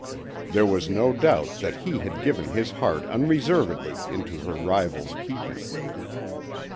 There was no doubt that he had given his heart unreservedly into her rival's keeping.